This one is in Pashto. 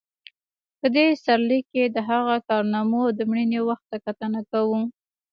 په دې سرلیک کې د هغه کارنامو او د مړینې وخت ته کتنه کوو.